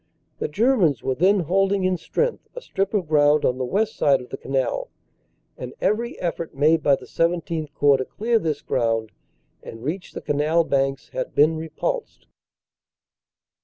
The Germans were then holding in strength a strip of ground on the west side of the canal, and every effort made by the XVII Corps to clear this ground and reach the Canal banks had been repulsed.